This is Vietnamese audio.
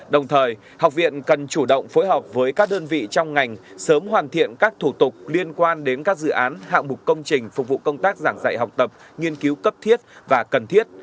đồng thời học viện cần chủ động phối hợp với các đơn vị trong ngành sớm hoàn thiện các thủ tục liên quan đến các dự án hạng mục công trình phục vụ công tác giảng dạy học tập nghiên cứu cấp thiết và cần thiết